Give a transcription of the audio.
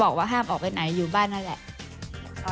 บอกว่าห้ามออกไปไหนอยู่บ้านนั่นแหละ